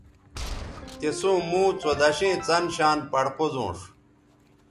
تِسوں موں څودشیئں څن شان پڑ قوزونݜ